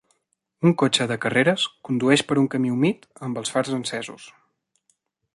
Un cotxe de carreres condueix per un camí humit amb els fars encesos.